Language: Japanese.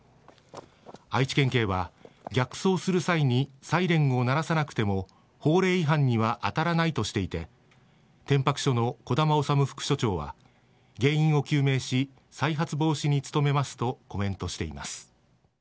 愛知県警は、逆走する際にサイレンを鳴らさなくても、法令違反には当たらないとしていて、再発防止に努めますとコメントしています。